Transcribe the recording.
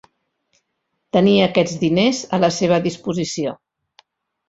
Tenia aquests diners a la seva disposició.